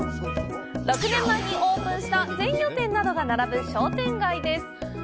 ６年前にオープンした鮮魚店などが並ぶ商店街です。